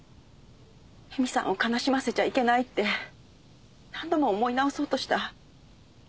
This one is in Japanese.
詠美さんを悲しませちゃいけないって何度も思い直そうとした。